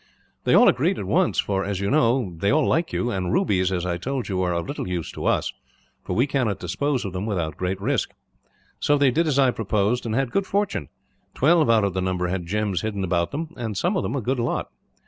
"They all agreed at once for, as you know, they all like you; and rubies, as I told you, are of little use to us, for we cannot dispose of them without great risk. So they did as I proposed, and had good fortune. Twelve out of the number had gems hidden about them, and some of them a good lot.